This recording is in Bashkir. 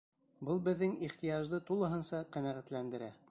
Был беҙҙең ихтыяжды тулыһынса ҡәнәғәтләндерә.